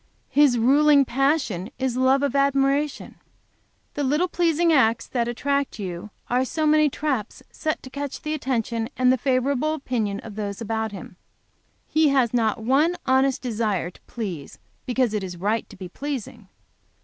"His ruling passion is love of admiration; the little pleasing acts that attract you are so many traps set to catch the attention and the favorable opinion of those about him. He has not one honest desire to please because it is right to be pleasing.